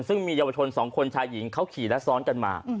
ซึ่งมีเยาวชน๒คนชายหญิงเขาขี่และซ้อนกันมา